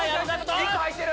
１個入ってる！